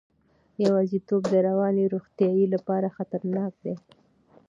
یوازیتوب د رواني روغتیا لپاره خطرناک دی.